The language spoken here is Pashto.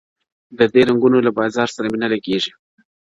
د دې رنګونو له بازار سره مي نه لګیږي،